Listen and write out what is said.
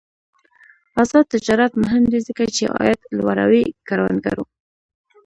آزاد تجارت مهم دی ځکه چې عاید لوړوي کروندګرو.